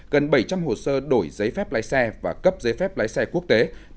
gần bảy trăm linh hồ sơ đổi giấy phép lái xe và cấp giấy phép lái xe quốc tế